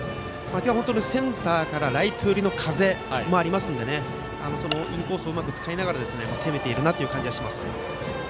今日はセンターからライト寄りの風もありますのでインコースをうまく使いながら攻めているなという感じがします。